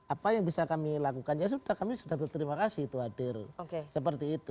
apa yang bisa kami lakukan ya sudah kami sudah berterima kasih itu hadir seperti itu